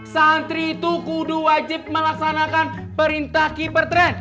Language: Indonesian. santri itu kudu wajib melaksanakan perintah kiper tren